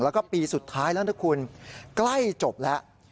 แล้วก็ปีสุดท้ายแล้วนะคุณใกล้จบแล้ว